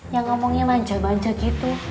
yang ngomongnya manja manja gitu